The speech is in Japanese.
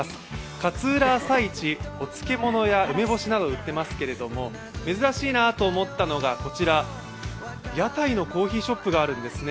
勝浦朝市、お漬物や梅干しなどを売ってますけれども、珍しいなと思ったのがこちら屋台のコーヒーショップがあるんですね。